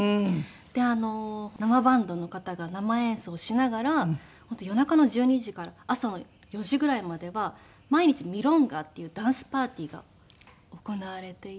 で生バンドの方が生演奏をしながら本当夜中の１２時から朝の４時ぐらいまでは毎日ミロンガっていうダンスパーティーが行われていて。